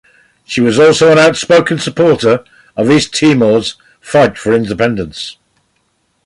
She was also an outspoken supporter of East Timor's fight for independence.